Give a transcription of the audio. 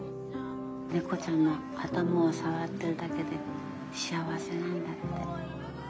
猫ちゃんの頭を触ってるだけで幸せなんだって。